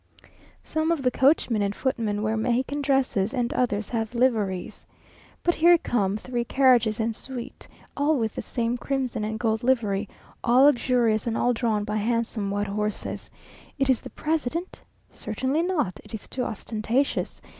Some of the coachmen and footmen wear Mexican dresses, and others have liveries.... But here come three carriages en suite, all with the same crimson and gold livery, all luxurious, and all drawn by handsome white horses. It is the President? Certainly not; it is too ostentatious.